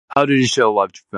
How do you show what you go-